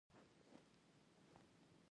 نفت د افغانستان د بڼوالۍ برخه ده.